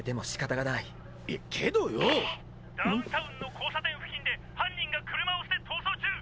「ダウンタウンの交差点付近で犯人が車を捨て逃走中！」